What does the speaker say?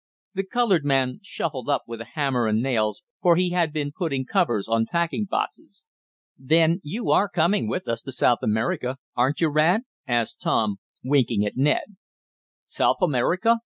The colored man shuffled up with a hammer and nails, for he had been putting covers on packing boxes. "Then you are coming with us to South America; aren't you, Rad?" asked Tom, winking at Ned. "Souf America?